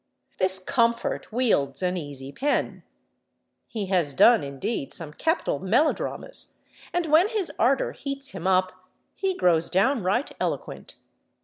This Comfort wields an easy pen. He has done, indeed, some capital melodramas, and when his ardor heats him up he grows downright eloquent.